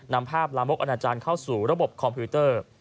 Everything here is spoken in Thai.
นำภาพลามกอนาจารย์เข้าสู่ระบบคอมพิวเตอร์